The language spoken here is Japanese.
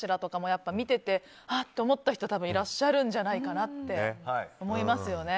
やっぱり見ていてはって思った方いらっしゃるんじゃないかなって思いますよね。